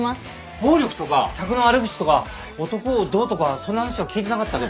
暴力とか客の悪口とか男をどうとかそんな話は聞いてなかったけど。